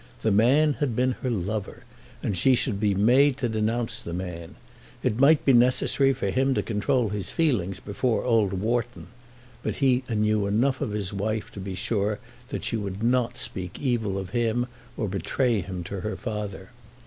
The man had been her lover, and she should be made to denounce the man. It might be necessary for him to control his feelings before old Wharton; but he knew enough of his wife to be sure that she would not speak evil of him or betray him to her father.